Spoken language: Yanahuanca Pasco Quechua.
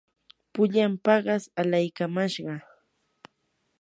pullan paqas alaykamashqaa.